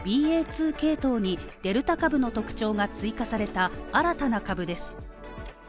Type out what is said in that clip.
２系統にデルタ株の特徴が追加された新たな株です。